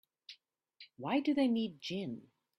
Why do they need gin?